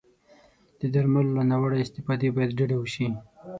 د درملو له ناوړه استفادې باید ډډه وشي.